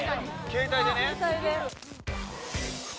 携帯でね。